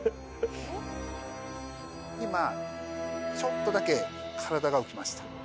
今ちょっとだけ体が浮きました。